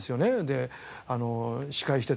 で司会してて。